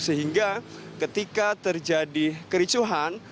sehingga ketika terjadi kericuhan